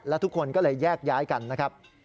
และทุกคนก็เลยแยกย้ายกันนะครับ